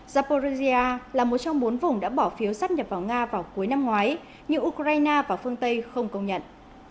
zaporia là một trong bốn vùng đã bỏ phiếu sát nhập vào nga vào cuối năm ngoái nhưng ukraine và phương tây không công nhận